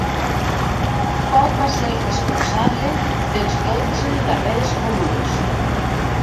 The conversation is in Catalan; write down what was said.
Koch va ser el responsable dels dotze darrers volums.